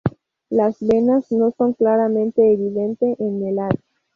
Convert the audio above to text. Las venas no son claramente evidente en el haz.